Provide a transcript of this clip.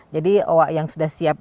jadi owa yang sudah siap